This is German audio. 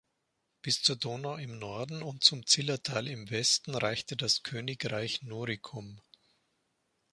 Bis zur Donau im Norden und zum Zillertal im Westen reichte das Königreich Norikum.